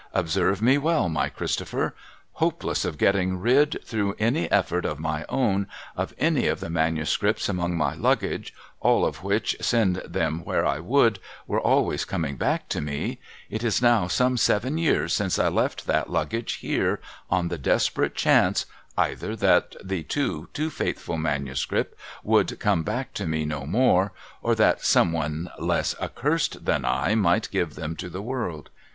Observe me well, my Chris topher ! Hopeless of getting rid, through any effort of my own, of any of the manuscripts among my Luggage, — all of which, send them where I would, were always coming back to me, — it is now some seven years since I left that Luggage here, on the desperate chance, either that the too, too faithful manuscripts would come back to me no more, or that some one less accursed than I might give them to the world.